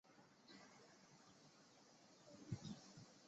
单花忍冬为忍冬科忍冬属的植物。